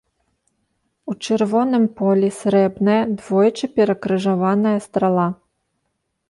У чырвоным полі срэбная, двойчы перакрыжаваная страла.